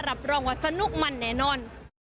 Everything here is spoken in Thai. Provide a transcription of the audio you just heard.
รับรองว่าสนุกมันแน่นอน